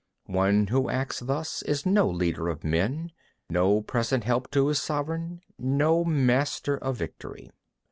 3. One who acts thus is no leader of men, no present help to his sovereign, no master of victory.